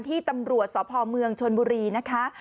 ที่ตำรวจสพเมืองชนบุรีนะคะ